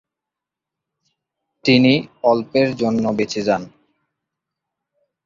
তিনি অল্পের জন্য বেঁচে যান।